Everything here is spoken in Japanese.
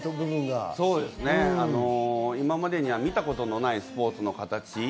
今までには見たことのないスポーツの形。